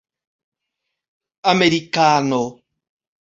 amerikano